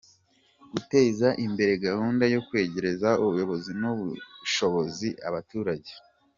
Guteza imbere gahunda yo kwegereza ubuyobozi n’ubushobozi abaturage,.